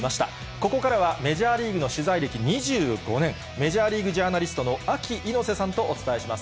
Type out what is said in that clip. ここからは、メジャーリーグの取材歴２５年、メジャーリーグジャーナリストのアキ猪瀬さんとお伝えします。